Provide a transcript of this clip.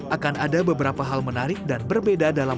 akan ada beberapa hal menarik dan berbeda dalam rakernas kali ini